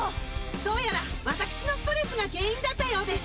どうやら私のストレスが原因だったようです。